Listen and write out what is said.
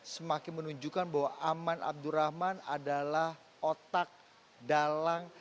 semakin menunjukkan bahwa aman abdurrahman adalah otak dalang